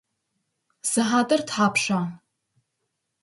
Сыхьатыр тхапща?